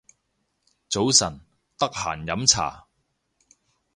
早晨，得閒飲茶